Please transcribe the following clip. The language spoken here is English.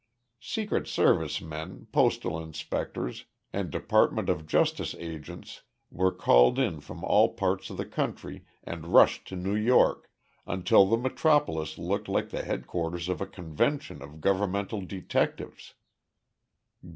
Secret Service men, Postal inspectors, and Department of Justice agents were called in from all parts of the country and rushed to New York, until the metropolis looked like the headquarters of a convention of governmental detectives.